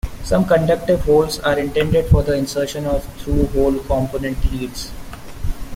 Some conductive holes are intended for the insertion of through-hole-component leads.